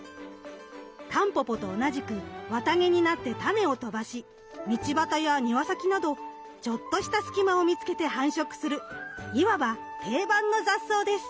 タンポポと同じく綿毛になって種を飛ばし道端や庭先などちょっとした隙間を見つけて繁殖するいわば定番の雑草です。